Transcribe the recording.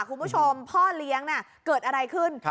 คุณผู้ชมพ่อเลี้ยงเกิดอะไรขึ้น